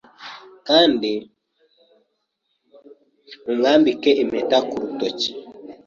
kandi mumwambike impeta ku rutoki